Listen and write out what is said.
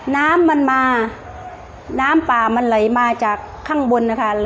น้ำมันมาน้ำป่ามันไหลมาจากข้างบนนะคะ